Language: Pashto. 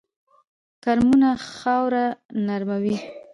کرمونه خاوره نرموي